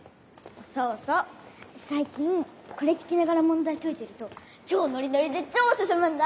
そうそう最近これ聴きながら問題解いてると超ノリノリで超進むんだ